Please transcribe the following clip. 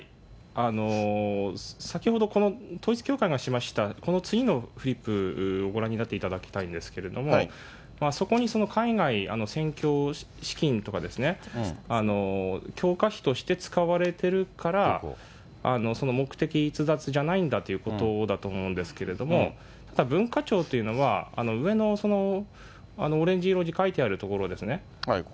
先ほど統一教会がしました、この次のフリップをご覧になっていただきたいんですけど、そこに海外宣教資金とかですね、教化費として使われてるからその目的逸脱じゃないんだということだと思うんですけど、文化庁というのは、上のオレンジ色に書いてあるところですね。